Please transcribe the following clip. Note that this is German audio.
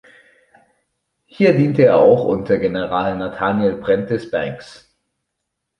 Hier diente er auch unter General Nathaniel Prentiss Banks.